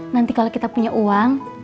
nanti kalau kita punya uang